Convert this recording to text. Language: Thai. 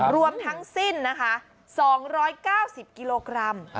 รวมทั้งสิ้นนะคะ๒๙๐กิโลกรัม